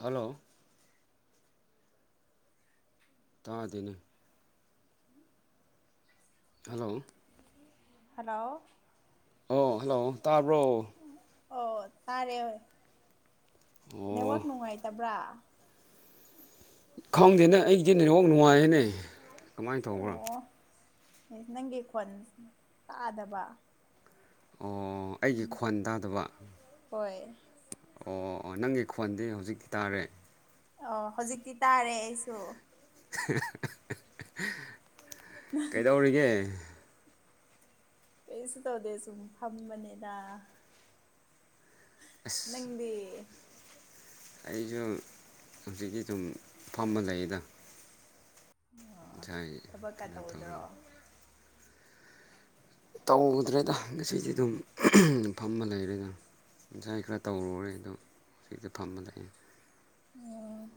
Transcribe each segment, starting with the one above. hello ꯇꯥꯗꯦꯅꯦ hello hello ꯑꯣ hello ꯇꯥꯕ꯭ꯔꯣ ꯑꯣ ꯇꯥꯔꯦ ꯍꯣꯏ ꯅꯦꯠꯋꯥꯛ ꯑꯣ ꯅꯨꯡꯉꯥꯏꯇꯕ꯭ꯔꯥ ꯈꯪꯗꯦꯅꯦ ꯑꯩꯒꯤꯗꯤ ꯅꯦꯠꯋꯥꯛ ꯅꯨꯡꯉꯥꯏꯌꯦꯅꯦ ꯀꯃꯥꯏꯅ ꯇꯧꯕ꯭ꯔꯥ ꯑꯣ ꯅꯪꯒꯤ ꯈꯣꯟ ꯇꯥꯗꯕ ꯑꯣ ꯑꯩꯒꯤ ꯈꯣꯟ ꯇꯥꯗꯕ ꯍꯣꯏ ꯑꯣ ꯑꯣ ꯑꯣ ꯅꯪꯒꯤ ꯈꯣꯟꯗꯤ ꯍꯧꯖꯤꯛꯇꯤ ꯇꯥꯔꯦ ꯑꯣ ꯍꯧꯖꯤꯛꯇꯤ ꯇꯥꯔꯦ ꯑꯩꯁꯨ ꯀꯩꯗꯧꯔꯤꯒꯦ ꯀꯩꯁꯨ ꯇꯧꯗꯦ ꯁꯨꯝ ꯐꯝꯕꯅꯤꯗ ꯑꯁ ꯅꯪꯗꯤ ꯑꯩꯁꯨ ꯍꯧꯖꯤꯛꯀꯤ ꯁꯨꯝ ꯐꯝꯕ ꯂꯩꯗ ꯑꯣ ꯉꯁꯥꯢ ꯊꯕꯛꯀ ꯀꯩꯅꯣꯇꯧ ꯇꯧꯗ꯭ꯔꯣ ꯇꯧꯗ꯭ꯔꯦꯗ ꯉꯁꯤꯗꯤ ꯑꯗꯨꯝ ꯐꯝꯕ ꯂꯩꯔꯦꯗ ꯉꯟꯁꯥꯏ ꯈꯔ ꯇꯧꯔꯨꯔꯦ ꯑꯗꯣ ꯁꯤꯗ ꯐꯝꯕ ꯂꯥꯛꯑꯦ ꯑꯣ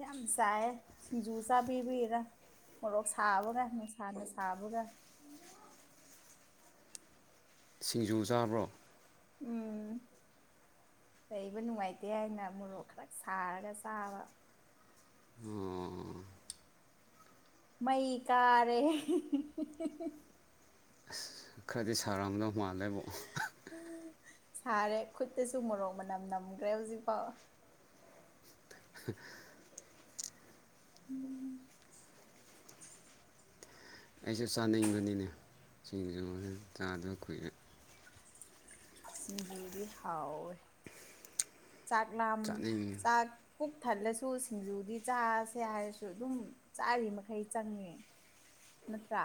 ꯌꯥꯝ ꯆꯥꯏ ꯁꯤꯡꯖꯨ ꯆꯥꯕꯤꯕꯤꯔꯥ ꯃꯣꯔꯣꯛ ꯁꯥꯕꯒ ꯅꯨꯡꯁꯥꯗ ꯁꯥꯕꯒ ꯁꯤꯡꯖꯨ ꯆꯥꯕ꯭ꯔꯣ ꯎꯝ ꯂꯩꯕ ꯅꯨꯡꯉꯥꯏꯇꯦ ꯍꯥꯏꯅ ꯃꯣꯔꯣꯛ ꯈꯔ ꯁꯥꯔꯒ ꯆꯥꯕ ꯑꯣ ꯃꯩ ꯀꯥꯔꯦ ꯑꯁ ꯈꯔꯗꯤ ꯁꯔꯥꯎꯗꯧ ꯃꯥꯜꯂꯦꯕꯨ ꯁꯥꯔꯦ ꯈꯨꯠꯇꯁꯨ ꯃꯣꯔꯣꯛ ꯃꯅꯝ ꯅꯝꯈ꯭ꯔꯦ ꯍꯧꯖꯤꯛꯐꯥꯎ [inaudible] ꯎꯝ ꯑꯩꯁꯨ ꯆꯥꯅꯤꯡꯕꯅꯤꯅꯦ ꯁꯤꯡꯖꯨ ꯁꯦ ꯆꯥꯗꯕ ꯀꯨꯏꯔꯦ ꯁꯤꯡꯖꯤꯗꯤ ꯍꯥꯎꯋꯦ ꯆꯥꯛ ꯂꯥꯝ ꯆꯥꯅꯤꯡꯉꯤ ꯆꯥꯛ ꯄꯨꯛ ꯊꯠꯂꯁꯨ ꯁꯤꯡꯖꯨꯗꯤ ꯆꯥꯁꯦ ꯍꯥꯏꯔꯁꯨ ꯑꯗꯨꯝ ꯆꯥꯔꯤ ꯃꯈꯩ ꯆꯪꯉꯦ ꯅꯠꯇ꯭ꯔꯥ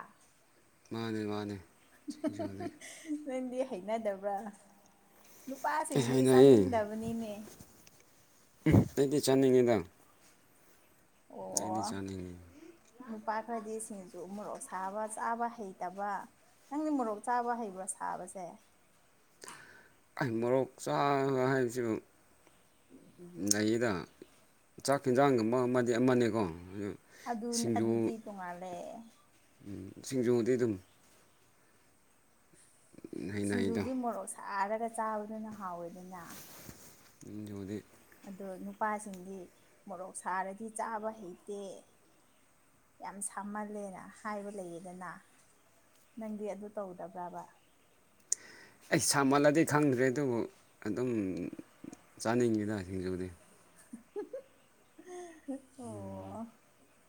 ꯃꯥꯅꯦ ꯃꯥꯅꯦ ꯁꯤꯡꯖꯨꯗꯤ ꯅꯪꯗꯤ ꯍꯩꯅꯗꯕ꯭ꯔꯥ ꯅꯨꯄꯥꯁꯤꯡꯗꯤ ꯍꯩꯅꯩꯌꯦ ꯆꯥꯅꯤꯡꯗꯕꯅꯤꯅꯦ ꯑꯩꯗꯤ ꯆꯥꯅꯤꯡꯉꯤꯗ ꯑꯩꯅ ꯑꯣ ꯆꯥꯅꯤꯡꯉꯤ ꯅꯨꯄꯥ ꯈꯔꯗꯤ ꯁꯤꯡꯖꯨ ꯃꯣꯔꯣꯛ ꯁꯥꯕ ꯆꯥꯕ ꯍꯩꯇꯕ ꯅꯪꯗꯤ ꯃꯣꯔꯣꯛ ꯆꯥꯕ ꯍꯩꯕ꯭ꯔꯥ ꯁꯥꯕꯁꯦ ꯑꯩ ꯃꯣꯔꯣꯛ ꯆꯥꯕ ꯍꯥꯏꯕꯁꯤꯕꯨ ꯅꯩꯌꯦꯗ ꯆꯥꯛ ꯌꯦꯟꯖꯥꯡꯒꯨꯝꯕ ꯑꯃꯗꯤ ꯑꯃꯅꯦꯀꯣ ꯑꯗꯨ ꯑꯗꯨ ꯁꯤꯡꯖꯨ ꯑꯗꯨꯗꯤ ꯇꯣꯡꯉꯥꯜꯂꯦ ꯎꯝ ꯁꯤꯡꯖꯨꯗꯤ ꯑꯗꯨꯝ ꯍꯩꯅꯩꯗ ꯁꯤꯡꯖꯨꯗꯤ ꯃꯣꯔꯣꯛ ꯁꯥꯔꯒ ꯆꯥꯕꯗꯨꯅ ꯍꯥꯎꯋꯦꯗꯅ ꯁꯤꯡꯖꯨꯗꯤ ꯑꯗꯣ ꯅꯨꯄꯥꯁꯤꯡꯗꯤ ꯃꯣꯔꯣꯛ ꯁꯥꯔꯗꯤ ꯆꯥꯕ ꯍꯩꯇꯦ ꯌꯥꯝ ꯁꯥꯃꯜꯂꯦꯅ ꯍꯥꯏꯕ ꯂꯩꯌꯦꯗꯅ ꯅꯪꯗꯤ ꯑꯗꯨ ꯇꯧꯗꯕ꯭ꯔꯥꯕ ꯑꯩꯁ ꯁꯥꯃꯜꯂꯗꯤ ꯈꯪꯗ꯭ꯔꯦ ꯑꯗꯨꯕꯨ ꯑꯗꯨꯝ ꯆꯥꯅꯤꯡꯉꯤꯗ ꯁꯤꯡꯖꯨꯗꯤ ꯍꯝ ꯑꯣ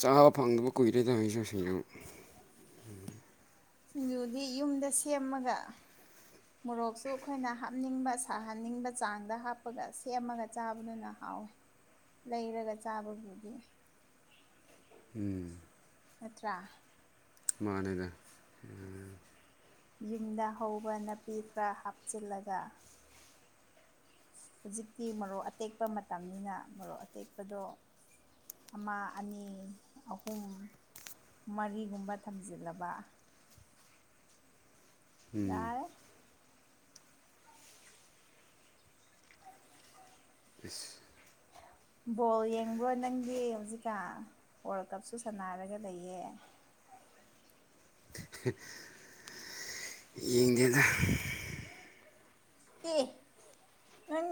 ꯆꯥꯕ ꯐꯪꯗꯕ ꯀꯨꯏꯔꯦꯅꯦ ꯑꯩꯁꯨ ꯁꯤꯡꯖꯨ ꯁꯤꯡꯖꯨꯗꯤ ꯌꯨꯝꯗ ꯁꯦꯝꯃꯒ ꯃꯣꯔꯣꯛꯁꯨ ꯑꯩꯈꯣꯏꯅ ꯍꯥꯞꯅꯤꯡꯕ ꯁꯥꯍꯟꯅꯤꯡꯕ ꯆꯥꯡꯗ ꯍꯥꯞꯄꯒ ꯁꯦꯝꯃꯒ ꯆꯥꯕꯗꯨꯅ ꯍꯥꯎ ꯍꯥꯎꯋꯦ ꯂꯩꯔꯒ ꯆꯥꯕꯕꯨꯗꯤ ꯎꯝ ꯅꯠꯇ꯭ꯔꯥ ꯃꯥꯅꯦꯗ ꯌꯨꯝꯗ ꯍꯧꯕ ꯅꯥꯄꯤ ꯈꯔ ꯍꯥꯞꯆꯤꯜꯂꯒ ꯍꯧꯖꯤꯛꯇꯤ ꯃꯔꯣꯛ ꯑꯇꯦꯛꯄ ꯃꯇꯝꯅꯤꯅ ꯃꯔꯣꯛ ꯑꯇꯦꯛꯄꯗꯣ ꯑꯃ ꯑꯅꯤ ꯑꯍꯨꯝ ꯃꯔꯤꯒꯨꯝꯕ ꯊꯝꯖꯤꯜꯂꯕ ꯎꯝ ꯌꯥꯔꯦ ꯏꯁ ꯕꯣꯜ ꯌꯦꯡꯕ꯭ꯔꯣ ꯅꯪꯗꯤ ꯍꯧꯖꯤꯛꯀꯥꯟ ꯋꯥꯔꯜ ꯀꯞꯁꯨ ꯁꯥꯟꯅꯔꯒ ꯂꯩꯌꯦ ꯍꯦ ꯌꯦꯡꯗꯦꯗ ꯍꯝ ꯑꯦ ꯅꯪ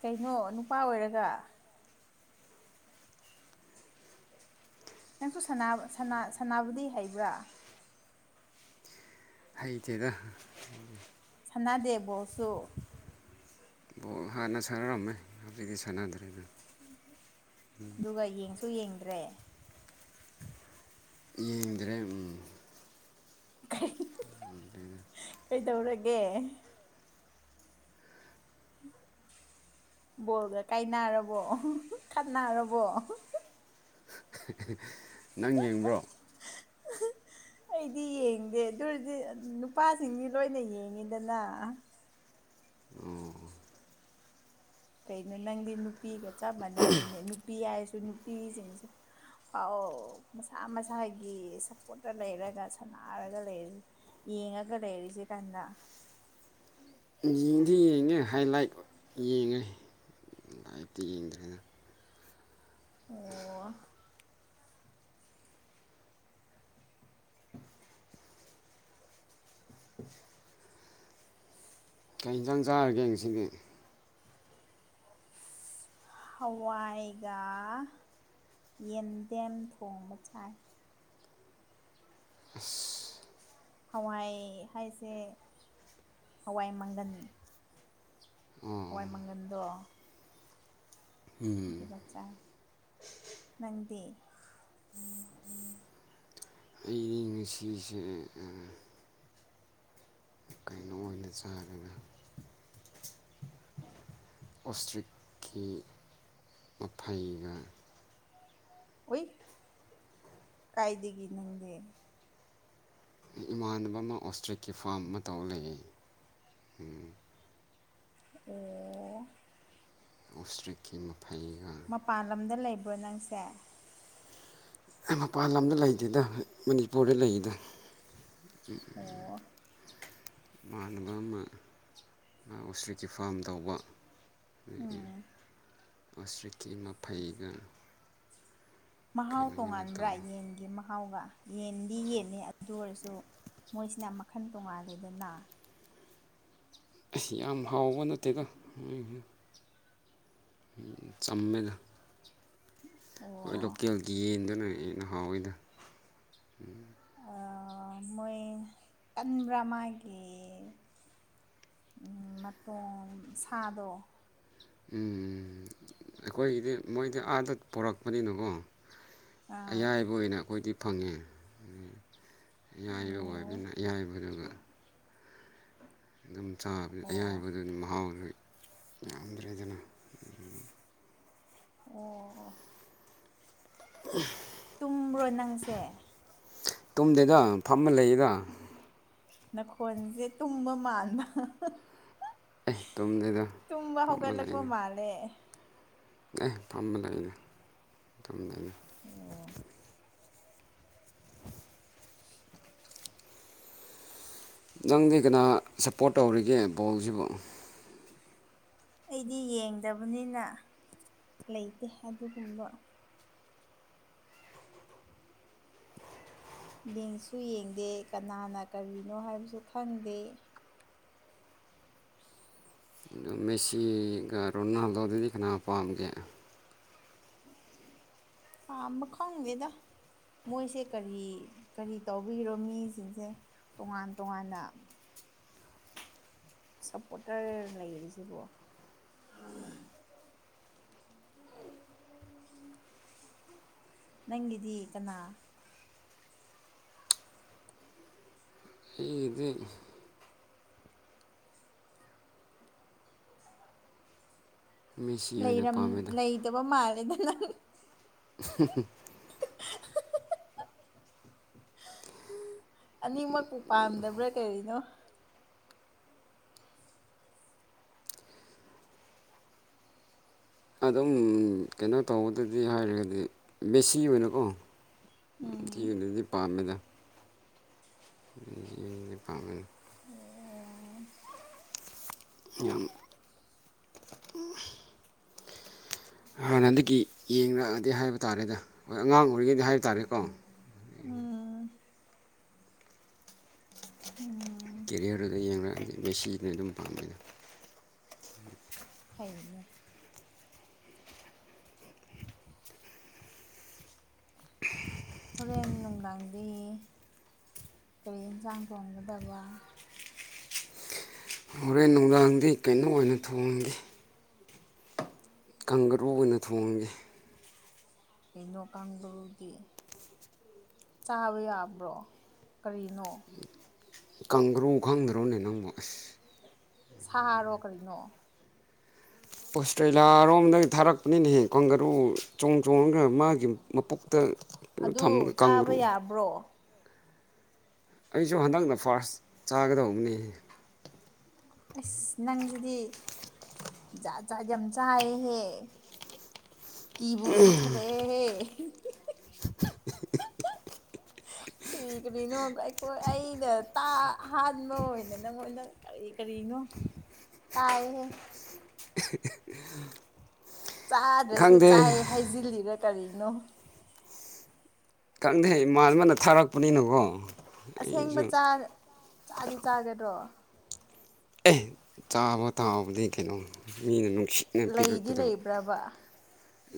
ꯀꯩꯅꯣ ꯅꯨꯄꯥ ꯑꯣꯏꯔꯒ ꯅꯪꯁꯨ ꯁꯅꯥ ꯁꯅꯥ ꯁꯅꯥꯕꯗꯤ ꯍꯩꯕ꯭ꯔꯥ ꯍꯩꯇꯦꯗꯥ ꯅꯥꯗꯦ ꯕꯣꯜꯁꯨ ꯕꯣꯜ ꯍꯥꯟꯅ ꯁꯥꯟꯅꯔꯝꯃꯦ ꯍꯧꯖꯤꯛꯇꯤ ꯁꯥꯟꯅꯗ꯭ꯔꯦꯗ ꯑꯗꯨꯒ ꯌꯦꯡꯁꯨ ꯌꯦꯡꯗ꯭ꯔꯦ ꯌꯦꯡꯗ꯭ꯔꯦ ꯎꯝ ꯀꯩ ꯍꯪꯍꯝ ꯀꯩ ꯇꯧꯔꯒꯦ ꯕꯣꯜꯒ ꯀꯥꯏꯅꯔꯕꯣ ꯑꯍꯍ ꯈꯠꯅꯔꯕꯣ ꯑꯍꯍ ꯍꯍ ꯅꯪ ꯌꯦꯡꯕ꯭ꯔꯣ ꯑꯩꯗꯤ ꯌꯦꯡꯗꯦ ꯑꯗꯨꯔꯗꯤ ꯅꯨꯄꯥꯁꯤꯡꯗꯤ ꯂꯣꯏꯅ ꯌꯦꯡꯉꯤꯗꯅ ꯀꯩꯅꯣ ꯅꯪꯗꯤ ꯅꯨꯄꯤꯒ ꯆꯞ ꯃꯥꯟꯅꯔꯦꯅꯦ ꯅꯨꯄꯤ ꯍꯥꯏꯔꯁꯨ ꯅꯨꯄꯤꯁꯤꯡꯁꯦ ꯐꯥꯎ ꯃꯁꯥ ꯃꯁꯥꯒꯤ ꯁꯞꯄꯣꯔꯠꯇ ꯂꯩꯔꯒ ꯁꯥꯟꯅꯔꯒ ꯂꯩꯔ ꯌꯦꯡꯉꯒ ꯂꯩꯔꯤꯁꯦ ꯀꯥꯟꯗ ꯌꯦꯡꯗꯤ ꯌꯦꯡꯉꯦ ꯍꯥꯏꯂꯥꯏꯠ ꯌꯦꯡꯉꯦ ꯂꯥꯢꯠꯇꯤ ꯌꯦꯡꯗ꯭ꯔꯦꯗ ꯍꯥ ꯑꯣ ꯀꯩ ꯌꯦꯟꯁꯥꯡ ꯆꯥꯔꯒꯦ ꯉꯁꯤꯗꯤ ꯍꯋꯥꯏꯒ ꯌꯦꯟꯗꯦꯝ ꯊꯣꯡꯕ ꯆꯥꯏ ꯍꯋꯥꯏ ꯍꯥꯏꯁꯦ ꯍꯋꯥꯏ ꯃꯪꯒꯟ ꯑꯣ ꯍꯋꯥꯏ ꯃꯪꯒꯟꯗꯣ ꯑꯗꯨꯒ ꯆꯥꯏ ꯅꯪꯗꯤ ꯑꯩꯗꯤ ꯉꯁꯤꯁꯦ ꯑ ꯀꯩꯅꯣ ꯑꯣꯏꯅ ꯆꯥꯔꯒ ꯑꯣꯁꯇ꯭ꯔꯤꯛꯀꯤ ꯃꯐꯩꯒ ꯑꯣꯏ ꯀꯥꯏꯗꯒꯤ ꯅꯪꯗꯤ ꯏꯃꯥꯟꯅꯕ ꯑꯃ ꯑꯣꯁꯇ꯭ꯔꯤꯛꯀꯤ ꯐꯥꯝ ꯑꯃ ꯇꯧ ꯂꯩꯌꯦ ꯎꯝ ꯑꯣ ꯑꯣꯁꯇ꯭ꯔꯦꯀꯤꯝ ꯃꯄꯥꯟ ꯂꯝꯗ ꯂꯩꯕ꯭ꯔꯣ ꯅꯪꯁꯦ ꯃꯄꯥꯟ ꯂꯝꯗ ꯂꯩꯇꯦꯗ ꯃꯅꯤꯄꯨꯔꯗ ꯂꯩꯗ ꯑꯣ ꯏꯃꯅꯕ ꯑꯃ ꯉ ꯑꯣꯁꯇꯔꯤꯛꯀꯤ ꯐꯥꯝ ꯇꯧꯕ ꯎꯝ ꯑꯣꯁꯇ꯭ꯔꯤꯛꯀꯤ ꯃꯐꯩꯒ ꯃꯍꯥꯎ ꯀꯩꯅꯣ ꯃꯣꯏꯅ ꯇꯧ ꯇꯣꯡꯉꯥꯟꯕ꯭ꯔꯥ ꯌꯦꯟꯒꯤ ꯃꯍ ꯃꯍꯥꯎꯒ ꯌꯦꯟꯗꯤ ꯌꯦꯟꯅꯤ ꯑꯗꯨ ꯑꯣꯏꯔꯁꯨ ꯃꯣꯏꯁꯤꯅ ꯃꯈꯟ ꯇꯣꯡꯉꯥꯂꯦꯗꯅ ꯑꯁ ꯌꯥꯝ ꯍꯥꯎꯕ ꯅꯠꯇꯦꯗ ꯆꯝꯃꯦꯗ ꯍꯣꯏ ꯑꯣ ꯂꯣꯀꯦꯜꯒꯤ ꯌꯦꯟꯗꯨꯅ ꯍꯦꯟꯅ ꯍꯥꯎꯋꯤꯗ ꯎꯝ [unintelligible] ꯑꯦ ꯀꯟꯕ꯭ꯔꯥ ꯃꯥꯒꯤ ꯃꯇꯣꯡ ꯁꯥꯗꯣ ꯎꯝ ꯑꯩꯈꯣꯏꯒꯤꯗꯤ ꯃꯣꯏꯗꯤ ꯑꯥꯗ ꯄꯣꯔꯛꯄꯅꯤꯅꯀꯣ ꯑꯥ ꯑꯌꯥꯏꯕ ꯑꯣꯏꯅ ꯑꯩꯈꯣꯏꯗꯤ ꯐꯪꯉꯦ ꯌꯥꯏꯕ ꯑꯣ ꯑꯣꯏꯕꯅꯤꯅ ꯏꯌꯥꯏꯕꯗꯨꯒ ꯑꯗꯨꯝ ꯆꯥꯕ ꯑꯣ ꯑꯣ ꯑꯌꯥꯏꯕꯗꯨꯝ ꯃꯍꯥꯎꯁꯨ ꯌꯥꯝꯗ꯭ꯔꯦꯗꯅ ꯑꯣ [unintelligible] ꯇꯨꯝꯕ꯭ꯔꯣ ꯅꯪꯁꯦ ꯇꯨꯝꯗꯦꯗ ꯐꯝꯃ ꯂꯩꯌꯦꯗ ꯅꯈꯣꯟꯖꯦ ꯇꯨꯝꯕ ꯃꯥꯟꯕ [unintelligible] ꯑꯦ ꯇꯨꯝꯗꯦꯗ [unintelligible] ꯇꯨꯝꯕ ꯐꯝꯃ ꯍꯧꯒꯠꯂꯛꯄ ꯂꯩꯅꯤ ꯃꯥꯜꯂꯦ ꯑꯦ ꯐꯝꯃ ꯂꯩꯩꯗ ꯇꯨꯝꯗꯦꯗ [unintelligible] ꯅꯪꯗꯤ ꯀꯅꯥ ꯁꯞꯄꯣꯔꯠ ꯇꯧꯔꯤꯒꯦ ꯕꯣꯜꯁꯤꯕꯨ ꯑꯩꯗꯤ ꯌꯦꯡꯗꯕꯅꯤꯅ ꯂꯩꯇꯦ ꯑꯗꯨꯒꯨꯝꯕ ꯌꯦꯡꯁꯨ ꯌꯦꯡꯗꯦ ꯀꯅꯥꯅ ꯀꯔꯤꯅꯣ ꯍꯥꯏꯕꯁꯨ ꯈꯪꯗꯦ ꯃꯦꯁꯤꯒ ꯔꯣꯅꯥꯜꯗꯣꯗꯗꯤ ꯀꯅꯥ ꯄꯥꯝꯒꯦ ꯄꯥꯝꯕ ꯈꯪꯗꯦꯗ ꯃꯣꯏꯁꯦ ꯀꯔꯤ ꯀꯔꯤ ꯇꯧꯕꯤꯔꯣ ꯃꯤꯁꯤꯡꯁꯦ ꯇꯣꯉꯥꯟ ꯇꯣꯉꯥꯟꯅ ꯁꯞꯄꯣꯔꯇꯔ ꯂꯩꯔꯤꯁꯤꯕꯨ ꯅꯪꯒꯤꯗꯤ ꯀꯅꯥ ꯑꯩꯒꯤꯗꯤ ꯃꯦꯁꯤ ꯑꯣꯏꯅ ꯂꯩꯔꯝ ꯄꯥꯝꯃꯦꯗ ꯂꯩꯇꯕ ꯃꯥꯜꯂꯦꯗ ꯅꯪ [unintelligible] ꯑꯅꯤꯃꯛꯄꯨ ꯄꯥꯝꯗꯕ꯭ꯔꯥ ꯀꯔꯤꯅꯣ ꯑꯗꯨꯝ ꯀꯩꯅꯣ ꯇꯧꯕꯗꯗꯤ ꯍꯥꯏꯔꯒꯗꯤ ꯃꯦꯁꯤ ꯑꯣꯏꯅꯀꯣ ꯊꯤ ꯎꯝ ꯑꯣꯏꯅꯗꯤ ꯄꯥꯝꯃꯦꯗ ꯃꯦꯁꯤ [unintelligible] ꯄꯥꯝꯃꯦ ꯌꯥꯝ ꯍꯥꯟꯅꯗꯒꯤ ꯌꯦꯡꯔꯛꯑꯗꯤ ꯍꯥꯏꯕ ꯇꯥꯔꯦꯗ ꯍꯣꯏ ꯑꯉꯥꯡ ꯑꯣꯏꯔꯤꯉꯩꯗꯤ ꯍꯥꯏꯕ ꯇꯥꯔꯦꯀꯣ ꯎꯝ ꯎꯝ ꯀꯦꯔꯤꯌꯔꯗꯨꯗ ꯌꯦꯡꯔꯛꯑꯅꯤ ꯃꯦꯁꯤꯅ ꯑꯗꯨꯝ ꯄꯥꯝꯃꯦꯗ [unintelligible] ꯍꯣꯔꯦꯟ ꯅꯨꯡꯗꯥꯡꯗꯤ ꯀꯔꯤ ꯍꯤꯟꯁꯥꯡ ꯊꯣꯡꯒꯗꯕ ꯍꯣꯔꯦꯟ ꯅꯨꯡꯗꯥꯡꯗꯤ ꯀꯩꯅꯣ ꯑꯣꯏꯅ ꯊꯣꯡꯒꯤ ꯀꯪꯒꯔꯨ ꯑꯣꯏꯅ ꯊꯣꯡꯉꯒꯦ ꯀꯩꯅꯣ ꯀꯥꯡꯒꯔꯨꯗꯤ ꯆꯥꯕ ꯌꯥꯕ꯭ꯔꯣ ꯀꯔꯤꯅꯣ ꯀꯪꯒꯔꯨ ꯈꯪꯗ꯭ꯔꯣꯅꯦ ꯅꯪꯕꯨ ꯑꯁ ꯁꯥꯔꯣ ꯀꯔꯤꯅꯣ ꯑꯣꯁꯇ꯭ꯔꯦꯂꯥ ꯔꯣꯝꯗꯒꯤ ꯊꯥꯔꯛꯄꯅꯤꯅꯦꯍꯦ ꯀꯪꯒꯔꯨ ꯆꯣꯡ ꯆꯣꯡꯉꯒ ꯃꯥꯒꯤ ꯃꯄꯨꯛ ꯇ ꯑꯗꯨ ꯊꯝꯃ ꯆꯥꯕ ꯀꯪꯒꯔꯨ ꯌꯥꯕ꯭ꯔꯣ ꯑꯩꯖꯨ ꯍꯟꯗꯛꯅ ꯐꯥꯔꯁ ꯆꯥꯒꯗꯧꯕꯅꯦ ꯑꯁ ꯅꯪꯖꯤꯗꯤ ꯖꯥꯠ ꯖꯥꯠ ꯌꯥꯝ ꯆꯥꯏꯌꯦꯍꯦ ꯀꯤꯕꯨ ꯀꯤꯈꯠ ꯂꯛꯑꯦꯍꯦ [inaudible] ꯀꯔꯤ ꯀꯔꯤꯅꯣ ꯑꯩꯈꯣꯏ ꯑꯩꯅ ꯇꯥ ꯑꯍꯥꯟꯕ ꯑꯣꯏꯅ ꯅꯪꯉꯣꯟꯗ ꯀꯔꯤ ꯀꯔꯤꯅꯣ ꯇꯥꯏꯍꯦ ꯆꯥꯗ꯭ꯔꯁꯨ ꯈꯪꯗꯦ ꯆꯥꯏ ꯍꯥꯏꯖꯤꯜꯂꯤꯔ ꯀꯔꯤꯅꯣ ꯈꯪꯗꯦ ꯏꯃꯥꯟꯅꯕꯅ ꯊꯥꯔꯛꯄꯅꯤꯅꯀꯣ ꯑꯁꯦꯡꯕ ꯑꯩꯁꯨ ꯆꯥ ꯆꯥꯗꯤ ꯆꯥꯒꯗ꯭ꯔꯣ ꯑꯦ ꯆꯥꯕ ꯇꯥꯕꯅꯤ ꯀꯩꯅꯣ ꯃꯤꯅ ꯅꯨꯡ ꯂꯩꯗꯤ ꯂꯩꯕ꯭ꯔꯕ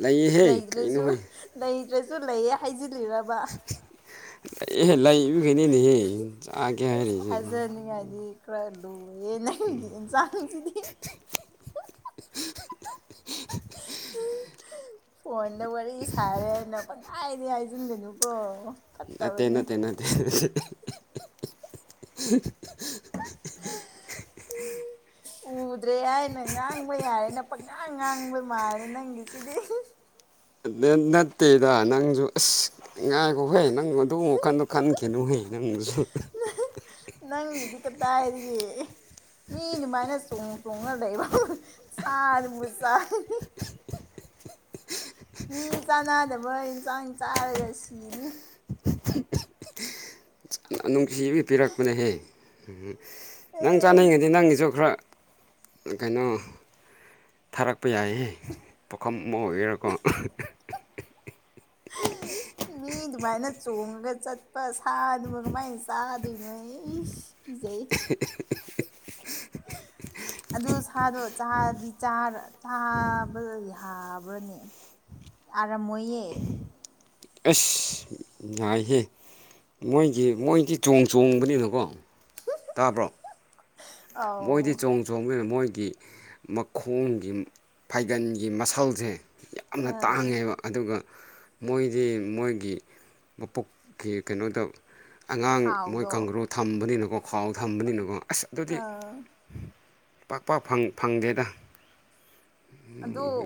ꯂꯩꯍꯦ ꯂꯩꯗ꯭ꯔꯁꯨ ꯀꯩꯅꯣꯍꯦ ꯂꯩꯇ꯭ꯔ ꯁꯨ ꯂꯩꯌꯦ ꯍꯥꯏꯖꯤꯜꯂꯤꯔꯕ ꯂꯩꯍꯦ ꯂꯩꯕꯒꯤꯅꯤꯅꯦꯍꯦ ꯆꯥꯒꯦ ꯑꯁ ꯍꯥꯏꯔꯤꯁꯦ ꯌꯦ ꯅꯪꯒꯤ ꯏꯟꯁꯥꯡꯁꯤꯗꯤ [inaudible] ꯐꯣꯟꯗ ꯋꯥꯔꯤ ꯁꯥꯔꯦꯅ ꯄꯪꯍꯥꯏꯗꯤ ꯍꯥꯏꯖꯤꯟꯒꯅꯨꯀꯣ ꯅꯠꯇꯦ ꯐꯠꯇꯕꯅꯦ ꯅꯠꯇꯦ ꯅꯠꯇꯦ ꯑꯍ ꯑꯍ [unintelligible] ꯎꯨꯗ꯭ꯔꯦ ꯍꯥꯏꯅ ꯉꯥꯡꯕ ꯌꯥꯔꯦꯅ ꯄꯛꯉꯥꯡ ꯉꯥꯡꯕ ꯃꯥꯜꯂꯦ ꯅꯪꯒꯤꯁꯤꯗꯤ ꯑꯥ ꯅꯠꯇꯦꯗ ꯅꯪꯁꯨ ꯑꯁ ꯉꯥꯏꯈꯣꯍꯦ ꯅꯪ ꯑꯗꯨ ꯋꯥꯈꯟꯗꯣ ꯈꯟꯈꯤ ꯒꯤꯅꯨ ꯍꯦ ꯅꯪꯁꯨꯨ ꯅꯪꯒꯤꯗꯤ ꯀꯗꯥꯏꯗꯒꯤ ꯃꯤ ꯗꯨꯃꯥꯏꯅ ꯆꯣꯡ ꯆꯣꯡꯉ ꯂꯩꯕ ꯁꯥ ꯗꯨꯕꯨ ꯆꯥꯏ ꯃꯤ ꯆꯥꯟꯅꯗꯕ ꯏꯟꯁꯥꯡ ꯆꯥꯔꯒ ꯁꯤꯅꯤ ꯅꯨꯡꯁꯤꯕꯤ ꯄꯤꯔꯛꯄꯅꯦꯍꯦ ꯎꯝ ꯅꯪ ꯑꯦ ꯆꯥꯅꯤꯡꯉꯗꯤ ꯅꯪꯒꯤꯁꯨ ꯈꯔ ꯀꯩꯅꯣ ꯊꯥꯔꯛ ꯄꯥ ꯌꯥꯏꯌꯦ ꯄꯨꯈꯝ ꯑꯃ ꯑꯣꯏꯒꯦꯔꯀꯣ ꯃꯤ ꯑꯗꯨꯃꯥꯏꯅ ꯆꯣꯡꯉꯒ ꯄꯥ ꯁꯥꯗꯨꯕꯨ ꯀꯃꯥꯏꯅ ꯆꯥꯗꯣꯏꯅꯣ ꯍꯦ ꯏꯁ ꯀꯤꯖꯩ [unintelligible] ꯑꯗꯨ ꯁꯥꯗꯣ ꯆꯥꯗꯤ ꯊꯥꯕ꯭ꯔꯥꯅꯦ ꯊꯥꯔꯝ ꯃꯣꯏꯌꯦ ꯑꯁ ꯉꯥꯏꯍꯦ ꯃꯣꯏꯒꯤ ꯃꯣꯏꯗꯤ ꯆꯣꯡ ꯆꯣꯡꯕꯅꯤꯅꯀꯣ ꯇꯥꯕ꯭ꯔꯣ ꯃꯣꯏꯗꯤ ꯑꯥꯎ ꯆꯣꯡ ꯆꯣꯡꯕꯅꯤꯅ ꯃꯣꯏ ꯒꯤ ꯃꯈꯣꯡꯒꯤ ꯐꯩꯒꯟꯒꯤ ꯃꯁꯜꯁꯦ ꯑ ꯌꯥꯝꯅ ꯇꯥꯡꯉꯦꯕ ꯑꯗꯨꯒ ꯃꯣꯏꯗꯤ ꯃꯣꯏꯒꯤ ꯃꯄꯨꯛꯀꯤ ꯀꯩꯅꯣꯗ ꯑꯉꯥꯡ ꯃꯣꯏ ꯈꯥꯎꯗꯣ ꯀꯪꯒ꯭ꯔꯨ ꯊꯝꯕꯅꯤꯅꯀꯣ ꯈꯥꯎ ꯊꯝꯕꯅꯤꯅꯀꯣ ꯑꯁ ꯑꯗꯨꯗꯤ ꯑꯥ ꯄꯥꯛ ꯄꯥꯛ ꯐꯪ ꯐꯪꯗꯦꯗ ꯑꯗꯨ